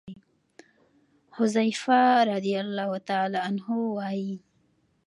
حذيفه رضي الله عنه وايي: